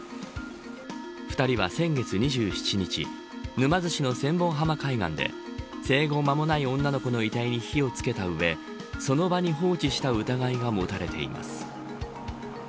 ２人は先月２７日沼津市の千本浜海岸で生後間もない女の子の遺体に火をつけた上その場に放置した疑いが持たれています。